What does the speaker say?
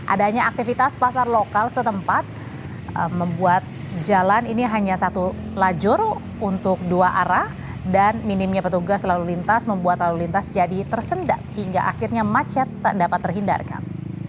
adanya aktivitas pasar lokal setempat membuat jalan ini hanya satu lajur untuk dua arah dan minimnya petugas lalu lintas membuat lalu lintas jadi tersendat hingga akhirnya macet tak dapat terhindarkan